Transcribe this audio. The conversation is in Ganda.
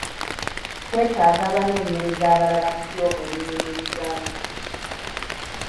Twetaaga abanoonyereza abalala mu by'obulimi mu Uganda.